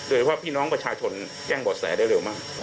โดยว่าพี่น้องประชาชนแจ้งบ่อแสได้เร็วมาก